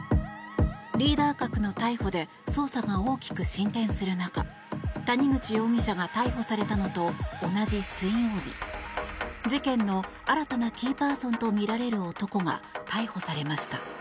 リーダー格の逮捕で捜査が大きく進展する中谷口容疑者が逮捕されたのと同じ水曜日事件の新たなキーパーソンとみられる男が逮捕されました。